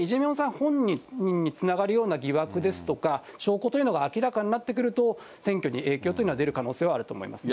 本人につながるような疑惑ですとか、証拠というのが明らかになってくると、選挙に影響というのは出る可能性があると思いますね。